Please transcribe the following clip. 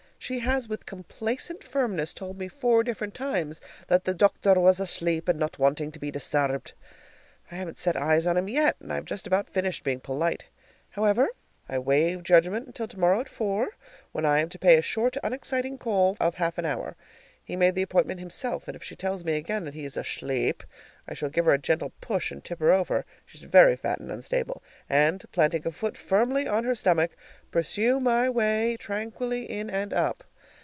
She has with complacent firmness told me four different times that the dochther was ashleep and not wantin' to be disturbed. I haven't set eyes on him yet, and I have just about finished being polite. However, I waive judgment until tomorrow at four, when I am to pay a short, unexciting call of half an hour. He made the appointment himself, and if she tells me again that he is ashleep, I shall give her a gentle push and tip her over (she's very fat and unstable) and, planting a foot firmly on her stomach, pursue my way tranquilly in and up.